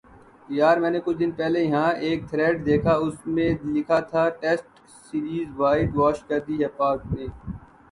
یار میں نے کچھ دن پہلے یہاں ایک تھریڈ دیکھا اس میں لکھا تھا ٹیسٹ سیریز وائٹ واش کر دی ہے پاک نے